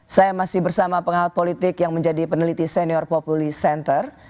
saya masih bersama pengawat politik yang menjadi peneliti senior populi center